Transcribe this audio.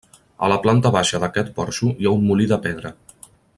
A la planta baixa d'aquest porxo hi ha un molí de pedra.